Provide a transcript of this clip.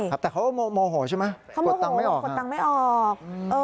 เขามอโหสิมั้ยกดตั้งไม่ออกนะเขาโอโหกดตั้งไม่ออก